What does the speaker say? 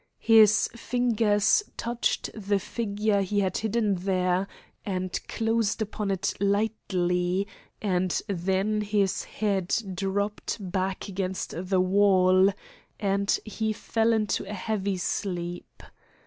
His fingers touched the figure he had hidden there and closed upon it lightly, and then his head dropped back against the wall, and he fell into a heavy sleep.